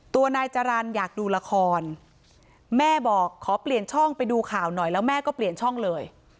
นายจรรย์อยากดูละครแม่บอกขอเปลี่ยนช่องไปดูข่าวหน่อยแล้วแม่ก็เปลี่ยนช่องเลย